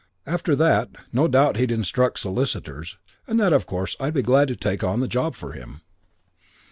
After that no doubt he'd instruct solicitors, and that of course I'd be glad to take on the job for him.